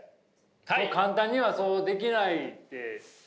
簡単にはそうできないって。